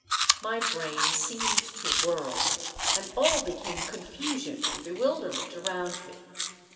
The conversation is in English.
My brain seemed to whirl; and all became confusion and bewilderment around me.